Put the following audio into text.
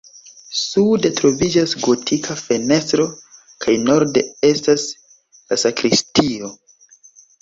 Sude troviĝas gotika fenestro kaj norde estas la sakristio.